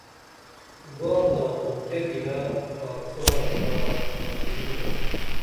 گا تہ خو کیہ گِلا خاکسارہ ݜا ڇھاری نی گا